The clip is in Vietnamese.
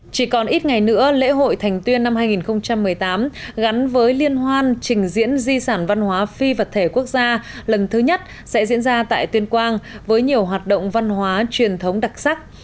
chỉ còn ít ngày nữa lễ hội thành tuyên năm hai nghìn một mươi tám gắn với liên hoan trình diễn di sản văn hóa phi vật thể quốc gia lần thứ nhất sẽ diễn ra tại tuyên quang với nhiều hoạt động văn hóa truyền thống đặc sắc